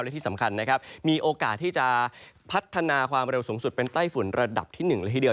และที่สำคัญนะครับมีโอกาสที่จะพัฒนาความเร็วสูงสุดเป็นไต้ฝุ่นระดับที่๑ละทีเดียว